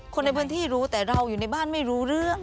คนในพื้นที่รู้แต่เราอยู่ในบ้านไม่รู้เรื่อง